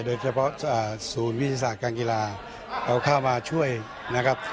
โดยเฉพาะศูนย์วิทยาศาสตร์การกีฬาเอาเข้ามาช่วยนะครับ